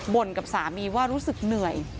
กับสามีว่ารู้สึกเหนื่อย